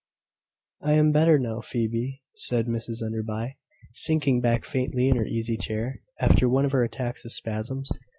"I am better now, Phoebe," said Mrs Enderby, sinking back faintly in her easy chair, after one of her attacks of spasms.